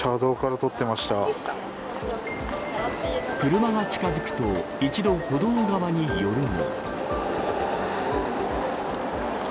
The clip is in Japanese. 車が近づくと一度、歩道側に寄るも。